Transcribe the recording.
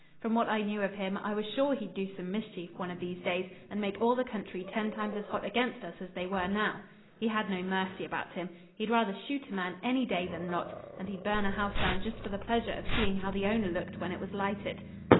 From what I knew of him I was sure he'd do some mischief one of these days, and make all the country ten times as hot against us as they were now. He had no mercy about him. He'd rather shoot a man any day than not; and he'd burn a house down just for the pleasure of seeing how the owner looked when it was lighted.